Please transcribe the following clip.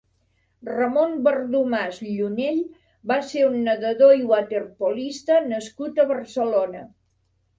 Ramon Berdomàs Llunell va ser un nedador i waterpolista nascut a Barcelona.